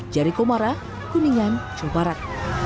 jari komara kuningan jawa barat